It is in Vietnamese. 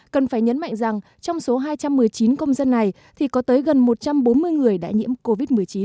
cần phải nhấn mạnh rằng trong số hai trăm một mươi chín công dân này thì có tới gần một trăm bốn mươi người đã nhiễm covid một mươi chín